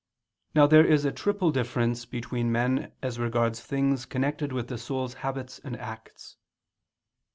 Now there is a triple difference between men as regards things connected with the soul's habits and acts.